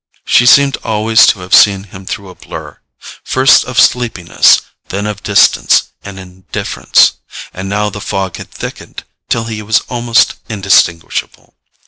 She seemed always to have seen him through a blur—first of sleepiness, then of distance and indifference—and now the fog had thickened till he was almost indistinguishable.